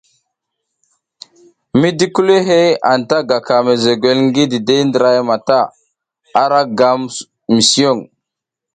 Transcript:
Mi di kulihey anta gaka mesegwel ngi didehey mata, ara ram nga mison.